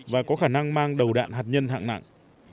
và có khả năng mang đầu đạn hạt nhân hạng nặng